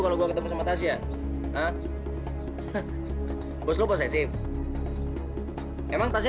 lepasin pak randy